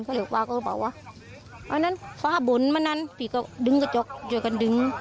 ก็เลยฟ้าก็บอกว่าอันนั้นฟ้าบ่นมานั้นพี่ก็ดึงกระจกช่วยกันดึง